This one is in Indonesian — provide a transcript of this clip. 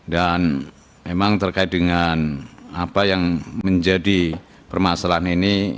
dan memang terkait dengan apa yang menjadi permasalahan ini